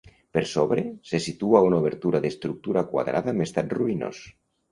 Per sobre, se situa una obertura d'estructura quadrada amb estat ruïnós.